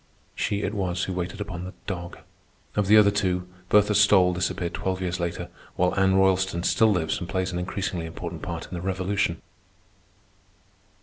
She it was who waited upon the dog. Of the other two, Bertha Stole disappeared twelve years later, while Anna Roylston still lives and plays an increasingly important part in the Revolution.